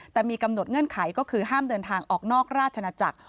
แต่มีกำหนดเงื่อนไขก็คือห้ามเดินทางออกนอกราชนาจักร